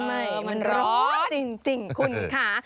ไม่มันร้อนจริงคุณค่ะ